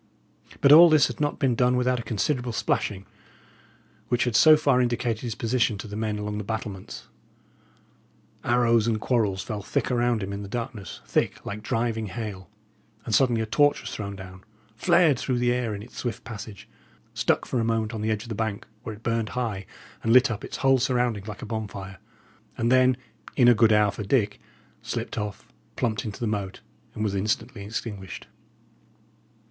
But all this had not been done without a considerable splashing, which had so far indicated his position to the men along the battlements. Arrows and quarrels fell thick around him in the darkness, thick like driving hail; and suddenly a torch was thrown down flared through the air in its swift passage stuck for a moment on the edge of the bank, where it burned high and lit up its whole surroundings like a bonfire and then, in a good hour for Dick, slipped off, plumped into the moat, and was instantly extinguished.